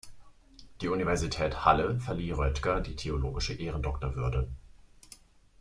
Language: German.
Die Universität Halle verlieh Rötger die theologische Ehrendoktorwürde.